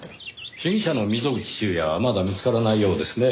被疑者の溝口修也はまだ見つからないようですねぇ。